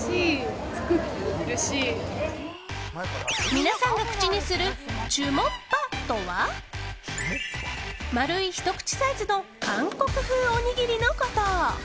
皆さんが口にするチュモッパとは丸い、ひと口サイズの韓国風おにぎりのこと。